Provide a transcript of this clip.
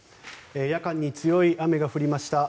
夜間に強い雨が降りました。